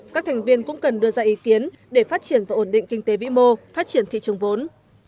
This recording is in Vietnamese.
các thành viên cũng cần đưa ra ý kiến để phát triển và ổn định kinh tế vĩ mô phát triển thị trường vốn